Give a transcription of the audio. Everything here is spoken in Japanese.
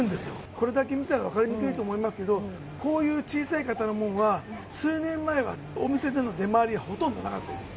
これだけ見たら分かりにくいと思いますけども、こういう小さい型のものは、数年前はお店での出回りほとんどなかったです。